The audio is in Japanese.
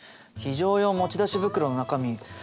非常用持ち出し袋の中身